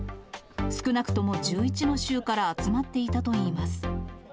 少なくとも１１の州から集まっていたといいます。